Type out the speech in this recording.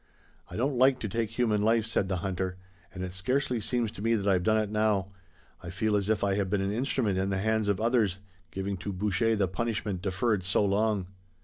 "I don't like to take human life," said the hunter, "and it scarcely seems to me that I've done it now. I feel as if I had been an instrument in the hands of others, giving to Boucher the punishment deferred so long."